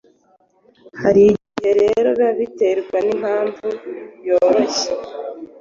hari igihe rero biba biterwa n’impamvu yoroshye